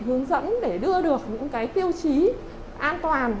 hướng dẫn để đưa được những tiêu chí an toàn